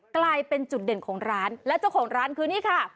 กลายเป็นจุดเด่นของร้านและเจ้าของร้านคือนี่ค่ะ